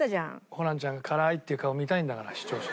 ホランちゃんが「辛ーい！」って言う顔見たいんだから視聴者。